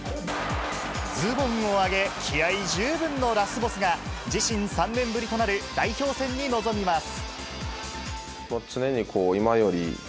ズボンを上げ、気合い十分のラスボスが、自身３年ぶりとなる代表戦に臨みます。